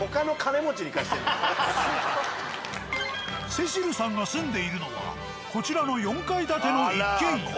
セシルさんが住んでいるのはこちらの４階建ての一軒家。